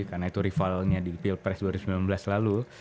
karena itu rivalnya di pilpres dua ribu sembilan belas lalu